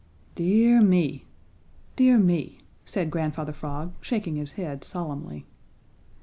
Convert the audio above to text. "Dear me! dear me!" said Grandfather Frog, shaking his head solemnly.